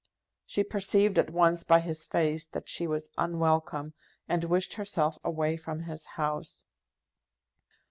She perceived at once by his face that she was unwelcome, and wished herself away from his house.